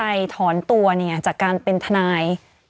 ถอนตัวเนี่ยจากการเป็นทนาย